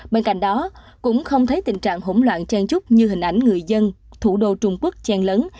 bên cạnh đó cũng không thấy tình trạng hỗn loạn chen chút như hình ảnh người dân thủ đô trung quốc chen lấn